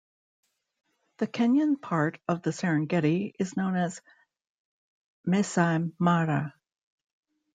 The Kenyan part of the Serengeti is known as Maasai Mara.